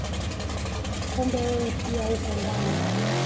Kumbe wewe pia uko ndani